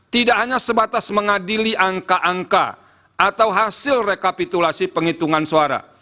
tidak hanya sebatas mengadili angka angka atau hasil rekapitulasi penghitungan suara